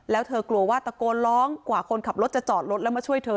แล้วเธอกลัวว่าตะโกนร้องกว่าคนขับรถจะจอดรถแล้วมาช่วยเธอ